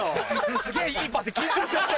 すげぇいいパスで緊張しちゃって。